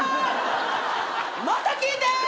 また聞いて！